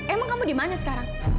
emang kamu dimana sekarang